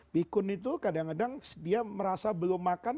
pikun itu kadang kadang dia merasa belum makan